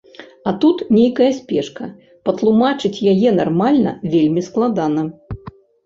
А тут нейкая спешка, патлумачыць яе нармальна вельмі складана.